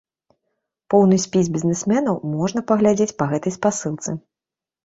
Поўны спіс бізнесменаў можна паглядзець па гэтай спасылцы.